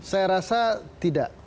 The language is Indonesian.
saya rasa tidak